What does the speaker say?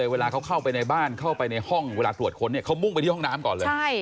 เวลาเขาเข้าไปในบ้านเข้าไปในห้องเวลาตรวจค้นเขามุ่งไปที่ห้องน้ำก่อนเลย